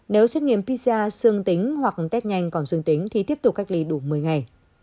nếu xét nghiệm pcr xương tính hoặc test nhanh còn xương tính thì tiếp tục cách ly đủ một mươi ngày